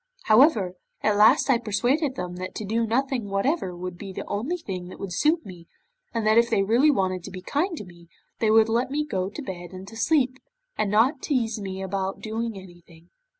However, at last I persuaded them that to do nothing whatever would be the only thing that would suit me, and that if they really wanted to be kind to me, they would let me go to bed and to sleep, and not tease me about doing anything.